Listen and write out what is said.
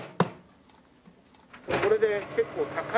これで結構高い。